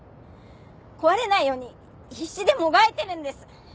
壊れないように必死でもがいてるんです。